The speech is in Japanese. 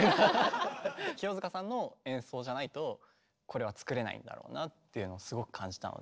清塚さんの演奏じゃないとこれは作れないんだろうなっていうのをすごく感じたので。